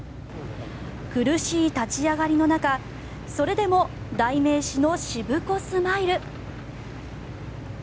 苦しい立ち上がりの中それでも代名詞のしぶこスマイル。